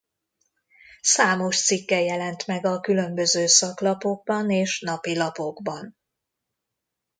Számos cikke jelent meg a különböző szaklapokban és napilapokban.